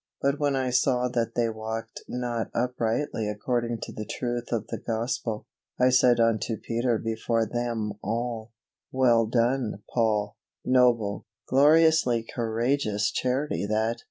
But when I saw that they walked not uprightly according to the truth of the Gospel, I said unto Peter before them all" Well done, Paul, noble, gloriously courageous Charity that!